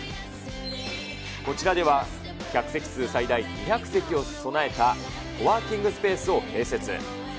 こちらでは、客席数最大２００席を備えたコワーキングスペースを併設。